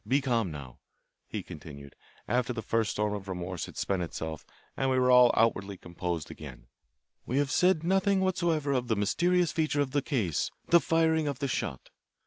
Be calm. Now," he continued, after the first storm of remorse had spent itself and we were all outwardly composed again, "we have said nothing whatever of the most mysterious feature of the case, the firing of the shot.